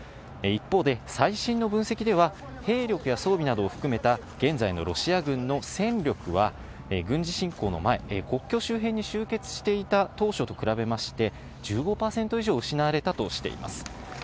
一方で、最新の分析では、兵力や装備などを含めた現在のロシア軍の戦力は軍事侵攻の前、国境周辺に集結していた当初と比べまして、１５％失われたとしています。